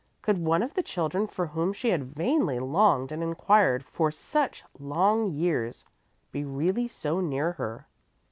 Could one of the children for whom she had vainly longed and inquired for such long years be really so near her?